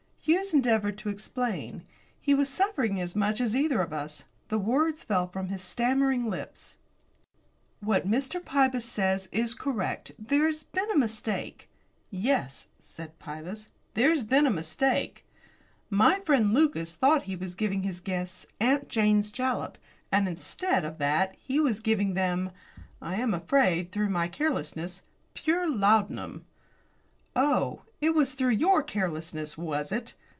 Hughes endeavoured to explain. He was suffering as much as either of us. The words fell from his stammering lips. "What Mr. Pybus says is correct. There's been a mistake." "Yes," said Pybus, "there's been a mistake." "My friend, Lucas, thought he was giving his guests 'Aunt Jane's Jalap,' and instead of that he was giving them I am afraid, through my carelessness pure laudanum." "Oh, it was through your carelessness, was it?"